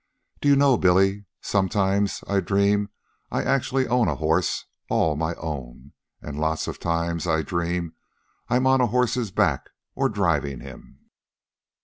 Do you know, Billy, sometimes I dream I actually own a horse, all my own. And lots of times I dream I'm on a horse's back, or driving him."